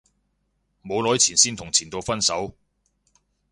冇耐前先同前度分手